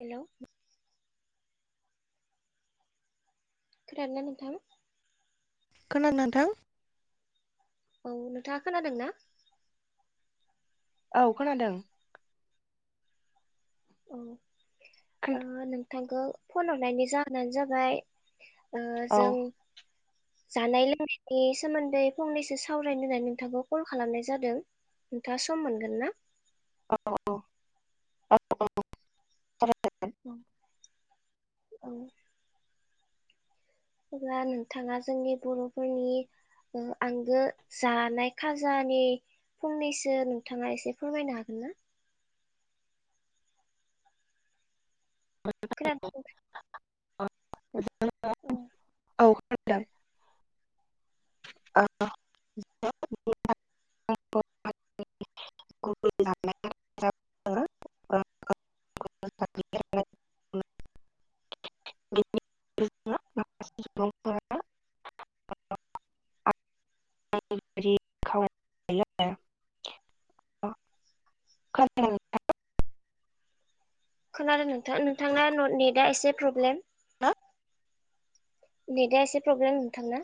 Hello खोनादों ना नोंथां? खोनादों ना नोंथां? औ नोंथाङा खोनादोंना? औ खोनादों औ ओ नोंथांखो फन हरनायनि जाहोनानो जाबाय ओ औ जों जानाय लोंनायनि सोमोन्दै फंनैसो सावरायनो होननानै नोंथांखौ कल खालामनाय जादों। नोंथाङा सम मोनगोन ना? औ औ [inaudible] औ औ अब्ला नोंथाङा जोंनि बरफोरनि आंगो जानाय खाजानि फंनैसो नोंथाङा एसे फोरमायनो हागोन ना? [unintelligible] उम [inaudible] [inaudible] [inaudible] [inaudible] खोनादों नोंथां नोंथांना न-नेटा एसे प्रब्लेम ना नेटा एसे प्रब्लेम नोंथांना।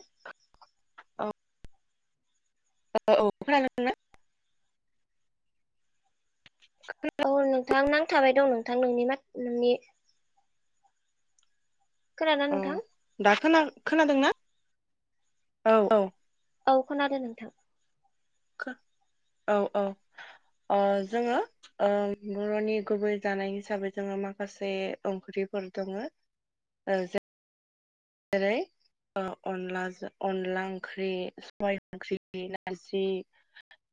औ खोनादों ना? औ नोंथां नांथाबाय दं नोंथां नोंनि मा नोंनि खोनादों ना नोंथां? खोना-खोनादोंना औ औ औ खोनादों नोंथां। खो औ औ ओह जोङो ओह बरनि गुबै जानाय हिसाबै जोङो माखासे ओंख्रिफोर दङो ओह जे जेरै अनलाजो अनला ओंख्रि सबाय ओंख्रि नारजि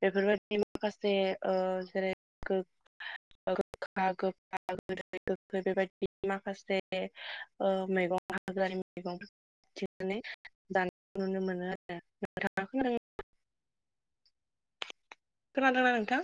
बेफोरबायदि माखासे ओह जेरै गोखा गोखा गोदै गोगखै बेबायदि माखासे ओह मैगं हाग्रानि मैगं थिनानै जानाय नुनो मोनो आरो नोंथां [inaudible] खोनादोंना नोंथां?